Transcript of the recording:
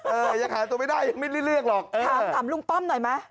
เออยังหาตัวไม่ได้ยังไม่ได้เลือกหรอก